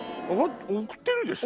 贈ってるでしょ？